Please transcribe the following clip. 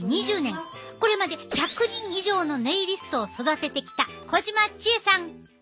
これまで１００人以上のネイリストを育ててきた児島ちえさん！